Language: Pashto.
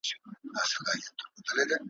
خپل محنت زیاروزحمت به دي بډای کي